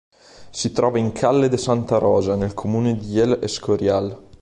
Si trova in calle de Santa Rosa, nel comune di El Escorial.